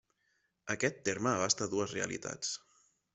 Aquest terme abasta dues realitats.